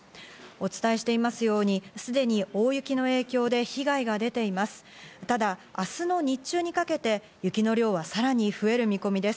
お伝えしていますように、すでに大雪の影響で被害が出ています。